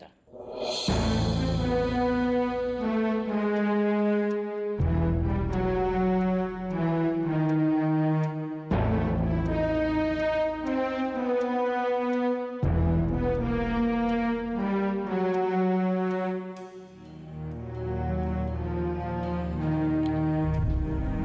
tapi saya tidak tahu siapa dia